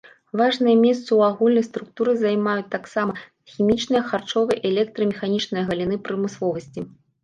Важныя месцы ў агульнай структуры займаюць таксама хімічная, харчовая і электрамеханічная галіны прамысловасці.